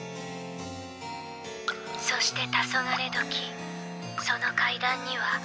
そしてたそがれ時その階段には